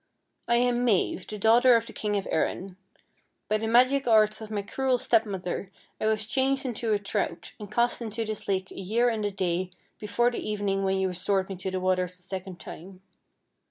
I am Mave, the daughter of the king of Erin. By the magic arts of my cruel stepmother I was changed into a trout, and cast into this lake a year and a day before the evening when you restored me to the waters the second time.